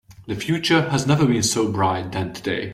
The future has never been so bright than today.